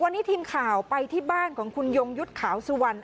วันนี้ทีมข่าวไปที่บ้านของคุณยงยุทธ์ขาวสุวรรณ